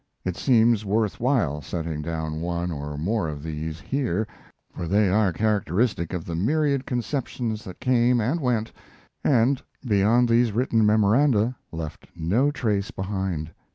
It seems worth while setting down one or more of these here, for they are characteristic of the myriad conceptions that came and went, and beyond these written memoranda left no trace behind.